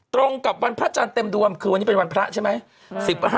ตรงกับวันพระจันทร์เต็มดวงคือวันนี้เป็นวันพระใช่ไหม